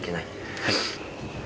はい。